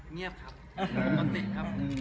เงียบครับปกติครับ